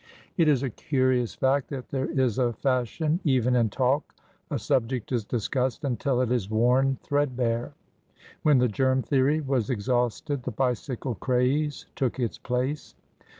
It is a curious fact that there is a fashion even in talk. A subject is discussed until it is worn thread bare. When the germ theory was exhausted the bicycle craze took its place.